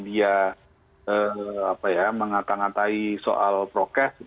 dia mengatang atai soal prokes